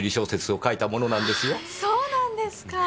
そうなんですか。